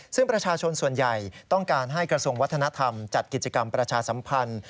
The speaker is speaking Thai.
ซึ่งประชาชนส่วนใหญ่ต้องการให้กระทรวงวัฒนธรรมจัดกิจกรรมประชาสัมพันธ์